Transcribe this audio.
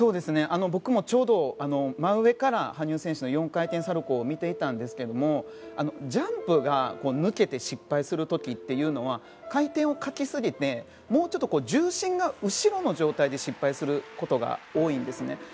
僕もちょうど真上から羽生選手の４回転サルコウを見ていたんですけれどもジャンプが抜けて失敗する時というのは回転をかけすぎてもうちょっと重心が後ろの状態で失敗することが多いんですね。